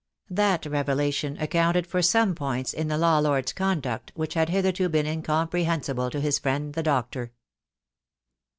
That revelation accounted for some points in the law lord's conduct which had hitherto been incomprehensible to his friend the doctor.